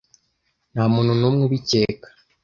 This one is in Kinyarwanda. nta muntu n'umwe ubikeka